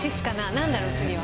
何だろう次は？